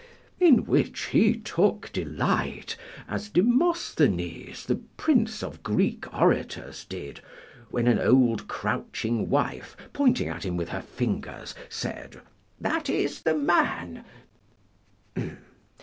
in which he took delight, as Demosthenes, the prince of Greek orators, did, when an old crouching wife, pointing at him with her fingers, said, That is the man.